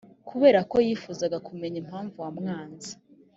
kubera ko yifuzaga kumenya impamvu wamwanze